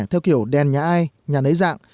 theo kiểu đèn nhà ai nhà nấy dạng